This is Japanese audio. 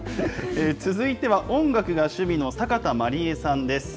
続いては音楽が趣味の坂田まりえさんです。